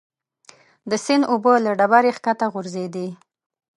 د سیند اوبه له ډبرې ښکته غورځېدې.